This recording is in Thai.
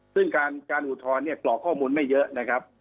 ซึ่งการอุทธรณ์เนี่ยกรอกข้อมูลไม่เยอะนะครับ